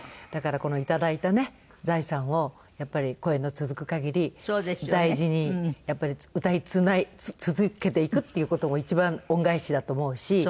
だからこの頂いた財産をやっぱり声の続く限り大事にやっぱり歌い続けていくっていう事も一番恩返しだと思うし。